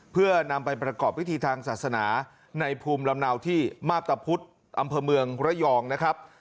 เพื่อนำไปประกอบพิธีทางศาสนาในภูมิลำเนาที่มาพตะพุธอำเภอเมืองระยองนะครับ